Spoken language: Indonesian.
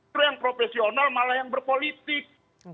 terus yang profesional malah yang berpolitik